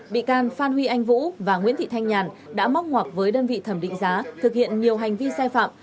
bị can phan huy anh vũ và nguyễn thị thanh nhàn đã móc ngoặc với đơn vị thẩm định giá thực hiện nhiều hành vi sai phạm